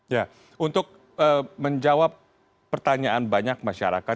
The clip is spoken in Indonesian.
ya untuk menjawab pertanyaan banyak masyarakat